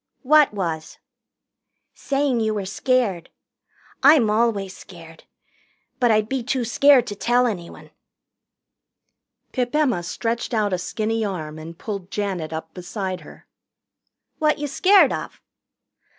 "What was?" "Saying you were scared. I'm always scared. But I'd be too scared to tell anyone." Pip Emma stretched out a skinny arm and pulled Janet up beside her. "What you scared of?"